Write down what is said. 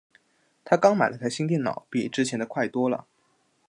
她刚买了台新电脑，比之前的快多了。